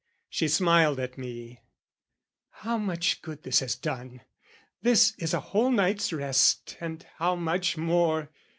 She smiled at me "How much good this has done! "This is a whole night's rest and how much more!